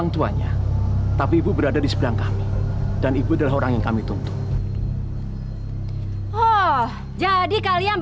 saya sering dipukulin